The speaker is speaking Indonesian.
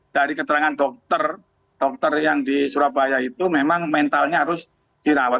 dari keterangan dokter dokter yang di surabaya itu memang mentalnya harus dirawat